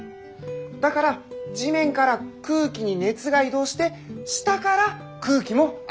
だから地面から空気に熱が移動して下から空気も温まるんです。